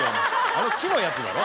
あの木のやつだろ。